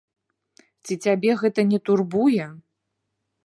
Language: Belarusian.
Ці цябе гэта не турбуе?